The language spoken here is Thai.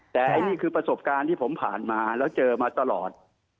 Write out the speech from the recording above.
แต่นี่คือประสบการณ์ที่ผมผ่านมาแล้วเจอมาตลอด